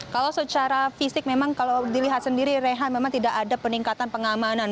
kalau secara fisik memang kalau dilihat sendiri rehat memang tidak ada peningkatan pengamanan